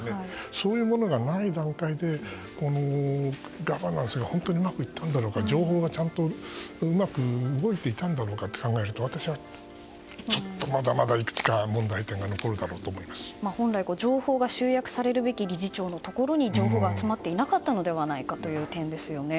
そういうものがない段階でガバナンスが本当にうまくいったんだろうか情報がちゃんとうまく動いていたのかと考えると私はちょっとまだまだいくつか本来、情報が集約されるべき理事長のところに情報が集まっていなかったのではという点ですね。